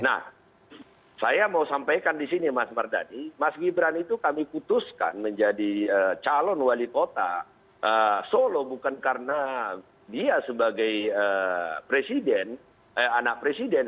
nah saya mau sampaikan di sini mas mardani mas gibran itu kami putuskan menjadi calon wali kota solo bukan karena dia sebagai presiden eh anak presiden